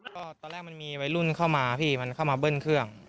ก็ตอนแรกมันมีวัยรุ่นเข้ามาพี่มันเข้ามาเบิ้ลเครื่อง